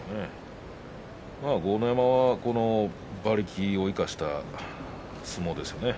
豪ノ山は馬力を生かした相撲ですよね。